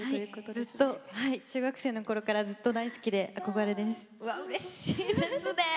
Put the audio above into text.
ずっと中学生のころから大好きで、憧れです。